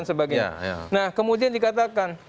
nah kemudian dikatakan